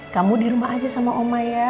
kamu dirumah aja sama oma ya